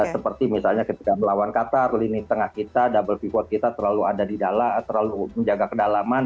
seperti misalnya ketika melawan qatar lini tengah kita double freeport kita terlalu ada di dalam terlalu menjaga kedalaman